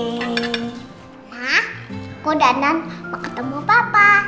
nah aku dan nan mau ketemu papa